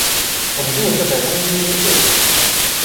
总部设在东京都涩谷。